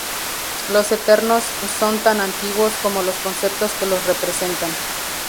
Los eternos son tan antiguos como los conceptos que los representan.